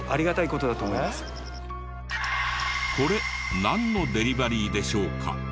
これなんのデリバリーでしょうか？